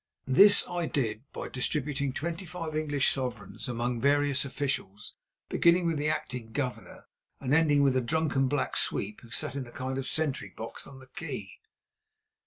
This I did by distributing twenty five English sovereigns among various officials, beginning with the acting governor and ending with a drunken black sweep who sat in a kind of sentry box on the quay.